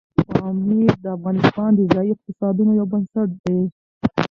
پامیر د افغانستان د ځایي اقتصادونو یو بنسټ دی.